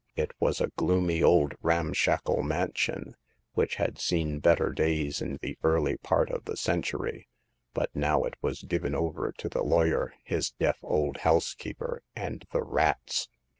It was a gloomy old ram shackle mansion, which had seen better days in the early part of the century, but now it was given over to the lawyer, his deaf old house keeper, and the rats.